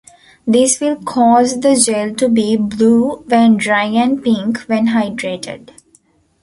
This will cause the gel to be blue when dry and pink when hydrated.